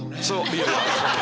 いやいや。